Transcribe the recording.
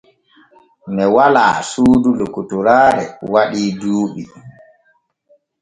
Ne walaa suudu lokotoraare waɗii duuɓi.